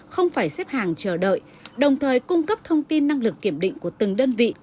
không phải xếp hàng chờ đợi đồng thời cung cấp thông tin năng lực kiểm định của từng đơn vị